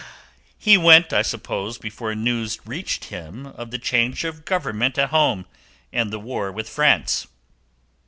"He went, I suppose, before news reached him of the change of government at home, and the war with France?"